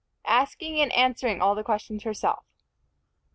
asking and answering all the questions herself.